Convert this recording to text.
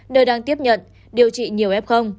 nơi đang tiếp nhận điều trị nhiều f